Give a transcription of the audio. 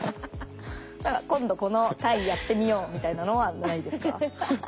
今度この体位やってみようみたいなのはないですか？